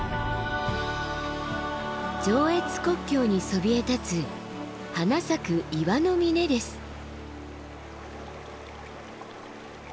上越国境にそびえ立つ花咲く岩の峰です。